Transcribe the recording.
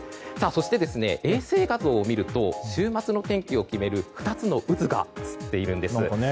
そして、衛星画像を見ると週末の天気を決める２つの渦が映っているんです。